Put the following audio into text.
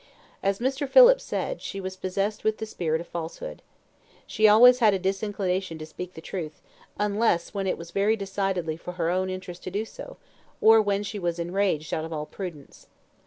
As Mr. Phillips said, she was possessed with the spirit of falsehood. She always had a disinclination to speak the truth, unless when it was very decidedly for her own interest to do so, or when she was enraged out of all prudence.